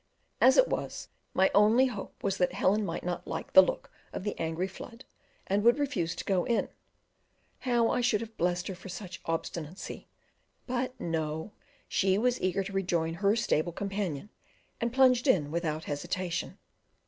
As it was, my only hope was that Helen might not like the look of the angry flood, and would refuse to go in; how I should have blessed her for such obstinacy! but no, she was eager to rejoin her stable companion, and plunged in without hesitation.